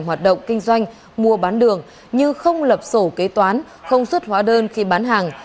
hoạt động kinh doanh mua bán đường như không lập sổ kế toán không xuất hóa đơn khi bán hàng